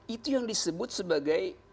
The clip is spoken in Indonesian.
itu yang disebut sebagai